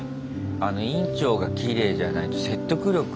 あの院長がきれいじゃないと説得力がね。